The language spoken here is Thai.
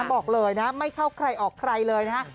บอกเลยนะไม่เข้าใครออกใครเลยนะฮะ